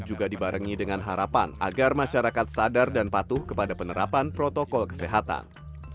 juga dibarengi dengan harapan agar masyarakat sadar dan patuh kepada penerapan protokol kesehatan